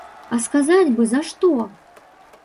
А сказаць бы, за што?